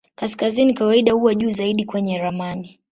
Kaskazini kawaida huwa juu zaidi kwenye ramani.